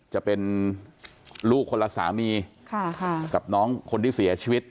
จะเป็นลูกคนละสามีกับน้องคนที่เสียชีวิต